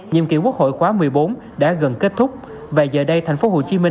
nhiệm kỳ quốc hội khóa một mươi bốn đã gần kết thúc và giờ đây tp hcm